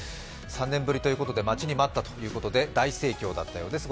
３年ぶりということで、待ちに待ったということで大盛況だったようです。